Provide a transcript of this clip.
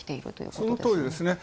そのとおりですね。